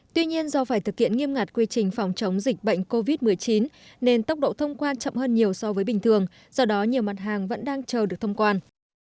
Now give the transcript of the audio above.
tuy nhiên do phải thực hiện nghiêm ngặt quy trình phòng chống dịch bệnh covid một mươi chín nên tốc độ thông quan chậm hơn nhiều so với bình thường do đó nhiều mặt hàng vẫn đang chờ được thông quan